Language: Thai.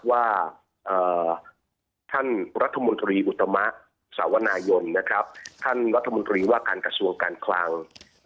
ว่าท่านรัฐมนตรีอุตมะสาวนายนนะครับท่านรัฐมนตรีว่าการกระทรวงการคลัง